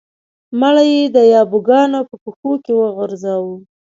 مړی یې د یابو ګانو په پښو کې وغورځاوه.